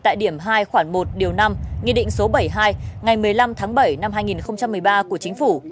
tại điểm hai khoảng một điều năm nghị định số bảy mươi hai ngày một mươi năm tháng bảy năm hai nghìn một mươi bảy